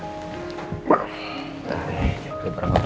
ini berapa berkas pak